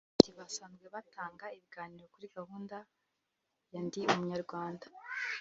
Ati “Basanzwe batanga ibiganiro kuri gahunda ya Ndi Umunyarwanda